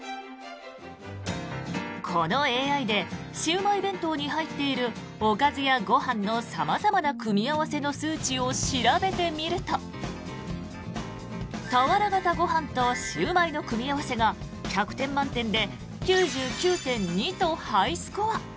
このＡＩでシウマイ弁当に入っているおかずやご飯の様々な組み合わせの数値を調べてみると俵型ご飯とシウマイの組み合わせが１００点満点で９９．２とハイスコア。